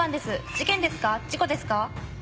事故ですか？